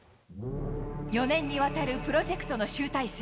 ４年にわたるプロジェクトの集大成。